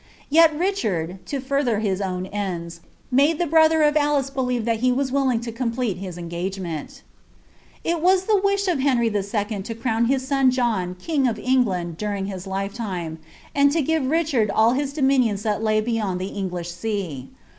Yet Richard, to further his own ends, made the brother e believe thai he was willing to complete his engagement. the wish of Uenry 11. to crown his son John king of Biig g his lifetime, and to give Richard all his dominions that lay d the English sea.